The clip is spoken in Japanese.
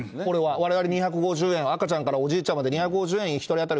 われわれ２５０円、赤ちゃんからおじいちゃんまで、２５０円１人当たり